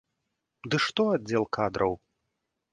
Ды што аддзел кадраў!